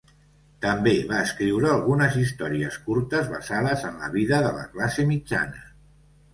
També va escriure algunes històries curtes basades en la vida de la classe mitjana.